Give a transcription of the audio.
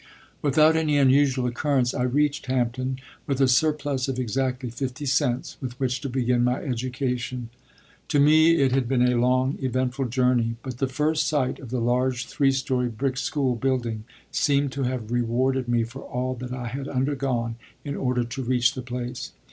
Without any unusual occurrence I reached Hampton, with a surplus of exactly fifty cents with which to begin my education. To me it had been a long, eventful journey; but the first sight of the large, three story, brick school building seemed to have rewarded me for all that I had undergone in order to reach the place.